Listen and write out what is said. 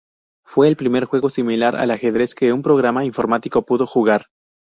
Fue el primer juego similar al ajedrez que un programa informático pudo jugar.